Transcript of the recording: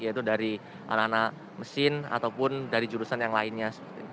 yaitu dari anak anak mesin ataupun dari jurusan yang lainnya